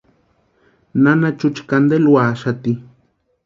Nana Chucha cantela úaxati.